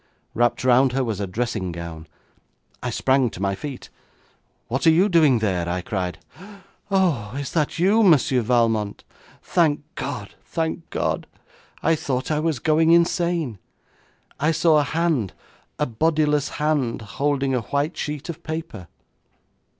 Wrapped round her was a dressing gown. I sprang to my feet. 'What are you doing there?' I cried. 'Oh, is that you, Monsieur Valmont? Thank God, thank God! I thought I was going insane. I saw a hand, a bodiless hand, holding a white sheet of paper.'